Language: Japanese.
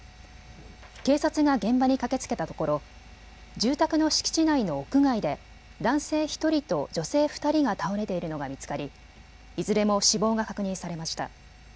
警察が現場に駆けつけたところ住宅の敷地内の屋外で男性１人と女性２人が倒れているのが見つかり、いずれも死亡が確認されました。